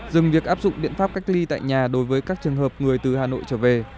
dừng việc áp dụng biện pháp cách ly tại nhà đối với các trường hợp người từ hà nội trở về